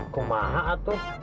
kok maha tuh